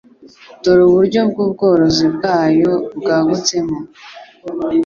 dore uburyo bwubworozi bwayo bwagutsemo